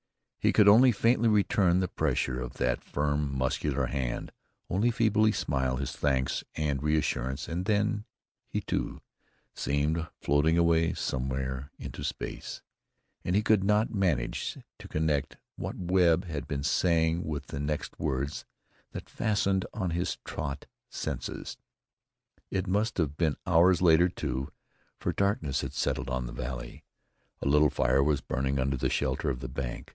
He could only faintly return the pressure of that firm, muscular hand, only feebly smile his thanks and reassurance, and then he, too, seemed floating away somewhere into space, and he could not manage to connect what Webb had been saying with the next words that fastened on his truant senses. It must have been hours later, too, for darkness had settled on the valley. A little fire was burning under the shelter of the bank.